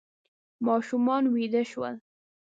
ماشومان ویده شول.